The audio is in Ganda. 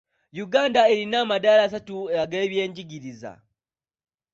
Uganda erina amadaala asatu ag'ebyenjigiriza.